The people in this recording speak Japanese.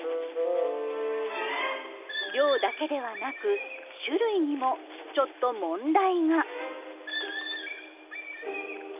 量だけではなく種類にもちょっと問題が。